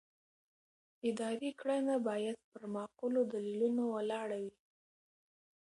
اداري کړنه باید پر معقولو دلیلونو ولاړه وي.